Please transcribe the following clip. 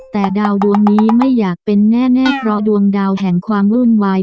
แต่ดาวดวงนี้ไม่อยากเป็นแน่เพราะดวงดาวแห่งความวุ่นวาย